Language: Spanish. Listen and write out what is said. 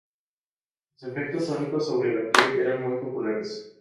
Los efectos tónicos sobre la piel eran muy populares.